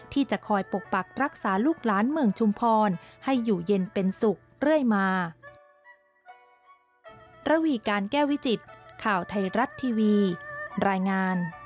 ที่จะคอยปกปักรักษาลูกหลานเมืองชุมพรให้อยู่เย็นเป็นสุขเรื่อยมา